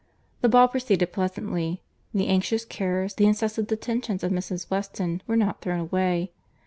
The ball proceeded pleasantly. The anxious cares, the incessant attentions of Mrs. Weston, were not thrown away.